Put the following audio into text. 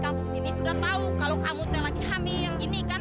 kalau kak mila lagi nyedam